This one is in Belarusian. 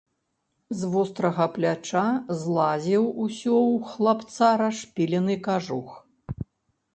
З вострага пляча злазіў усё ў хлапца расшпілены кажух.